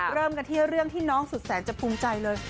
เริ่มกันที่เรื่องที่น้องสุดแสนจะภูมิใจเลย